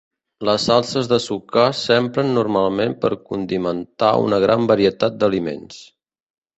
Les salses de sucar s'empren normalment per condimentar una gran varietat d'aliments.